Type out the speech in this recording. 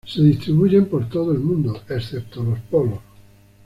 Se distribuyen por todo el mundo, excepto los polos.